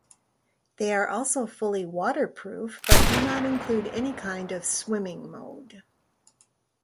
They are also fully waterproof, but do not include any kind of swimming mode.